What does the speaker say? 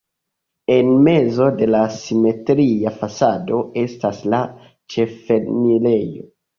En mezo de la simetria fasado estas la ĉefenirejo.